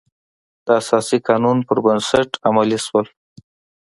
د اساسي قانون پر بنسټ عملي شول.